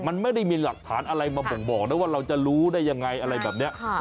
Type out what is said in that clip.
มันไม่ได้มีหลักฐานอะไรมาบ่งบอกนะว่าเราจะรู้ได้ยังไงอะไรแบบนี้